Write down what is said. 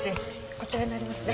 こちらになりますね。